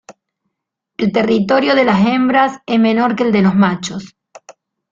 El territorio de las hembras es menor que el de los machos.